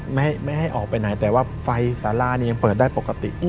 ไม่ให้ออกไปไหนแต่ว่าไฟสาราเนี่ยยังเปิดได้ปกติ